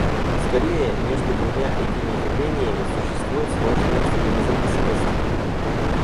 Скорее, между двумя этими явлениями существует сложная взаимозависимость.